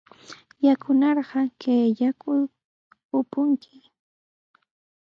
Yanunarqa kay yaku upunki.